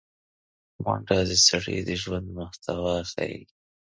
منډه د سړي د ژوند محتوا ښيي